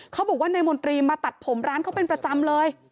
เขาบอกว่านายมนตรีมาตัดผมร้านเขาเป็นประจำเลย